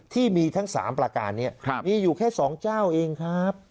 ที่มีทั้ง๓ประการนี้มีอยู่แค่๒เจ้าเองครับ